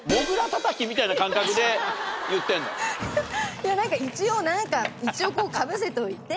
いやなんか一応なんか一応かぶせておいて。